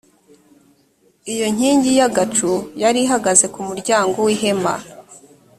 iyo nkingi y’agacu yari ihagaze ku muryango w’ihema.